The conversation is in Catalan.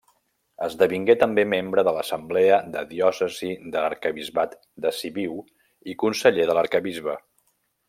Esdevingué també membre de l'assemblea de diòcesi de l'arquebisbat de Sibiu i conseller de l'arquebisbe.